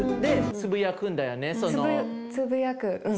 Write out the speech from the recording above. つぶすんだよね。